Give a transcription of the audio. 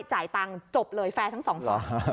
จ่ายตังค์จบเลยแฟร์ทั้งสอง